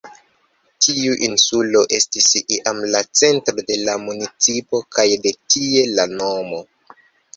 Tiu insulo estis iam la centro de la municipo, kaj de tie la nomo.